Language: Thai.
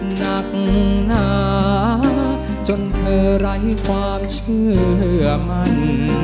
หนักหนาจนเธอไร้ความเชื่อมัน